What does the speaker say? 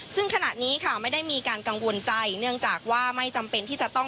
ซึ่งขณะนี้ค่ะไม่ได้มีการกังวลใจเนื่องจากว่าไม่จำเป็นที่จะต้อง